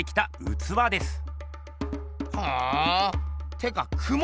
てかクモ？